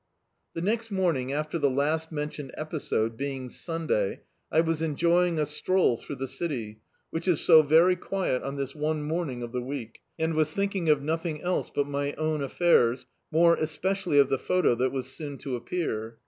The next morning after the last mentioned episode, being Sunday, I was enjoying a stroll through the city, which is so very quiet on this one morning of the week; and was thinldng of nothing else but my own affairs, more especially of the photo that was soon ro appear.